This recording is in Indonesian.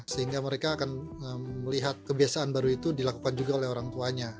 sehingga mereka akan melihat kebiasaan baru itu dilakukan juga oleh orang tuanya